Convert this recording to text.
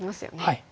はい。